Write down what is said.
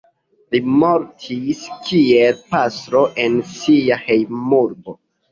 Li mortis kiel pastro en sia hejmurbo.